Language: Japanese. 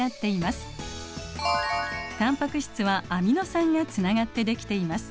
タンパク質はアミノ酸がつながってできています。